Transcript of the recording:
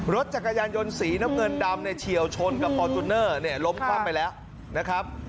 รถจักรยานยนต์สีน้ำเงินดำในเฉียวชนกับเนี่ยล้มความไปแล้วนะครับ